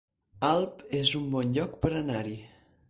Alp es un bon lloc per anar-hi